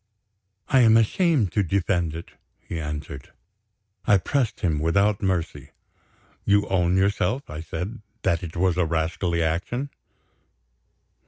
"I am ashamed to defend it," he answered. I pressed him without mercy. "You own yourself," I said, "that it was a rascally action?"